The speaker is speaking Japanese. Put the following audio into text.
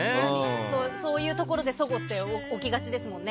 そういうところでそごって起きがちですよね。